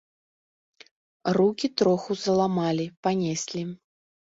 Рукі троху заламалі, панеслі.